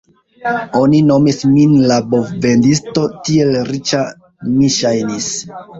Oni nomis min la bovvendisto, tiel riĉa mi ŝajnis!